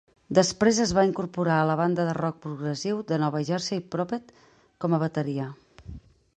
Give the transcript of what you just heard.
Després es va incorporar a la banda de rock progressiu de Nova Jersey Prophet com a bateria.